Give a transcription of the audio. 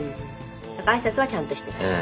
挨拶はちゃんとしてらっしゃる。